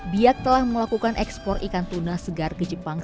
biak telah melakukan ekspor ikan tuna segar ke jepang